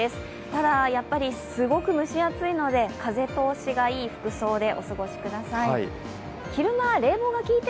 ただやはりすごく蒸し暑いので、風通しがいい服装でお過ごしください。